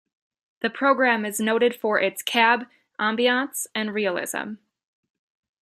The program is noted for its cab ambiance and realism.